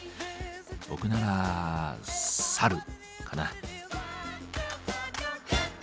僕ならサルかな。